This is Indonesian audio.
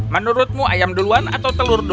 menurutmu ayam duluan atau telur dulu